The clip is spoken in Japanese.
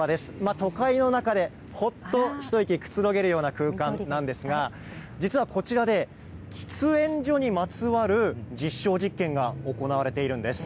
都会の中でほっと一息くつろげるような空間なんですが、実は、こちらで喫煙所にまつわる実証実験が行われているんです。